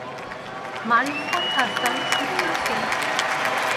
মারিফুল হাসান, সূত্র সিনেট